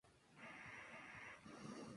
Todavía está en uso como iglesia local.